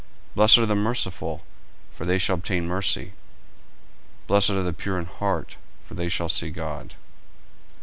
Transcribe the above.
40:005:007 Blessed are the merciful: for they shall obtain mercy. 40:005:008 Blessed are the pure in heart: for they shall see God.